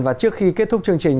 và trước khi kết thúc chương trình